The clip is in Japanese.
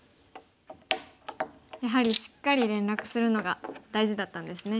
やはりしっかり連絡するのが大事だったんですね。